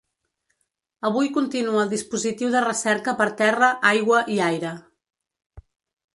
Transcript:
Avui continua el dispositiu de recerca per terra, aigua i aire.